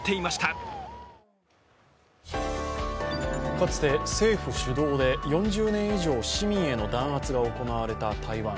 かつて政府主導で４０年以上、市民への弾圧が行われた台湾。